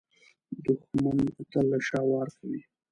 دښمن تل له شا وار کوي